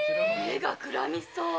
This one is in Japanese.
目がくらみそう。